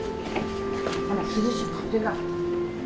あら涼しい風が。